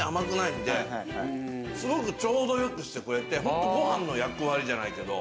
すごくちょうどよくしてくれてホントご飯の役割じゃないけど。